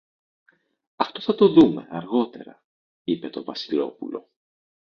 Αυτό θα το δούμε αργότερα, είπε το Βασιλόπουλο.